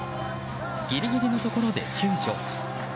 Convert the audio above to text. ギリギリのところで救助。